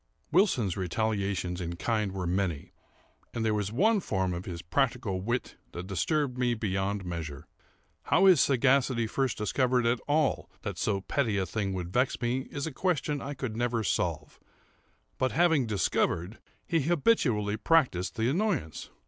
Wilson's retaliations in kind were many; and there was one form of his practical wit that disturbed me beyond measure. How his sagacity first discovered at all that so petty a thing would vex me, is a question I never could solve; but, having discovered, he habitually practised the annoyance.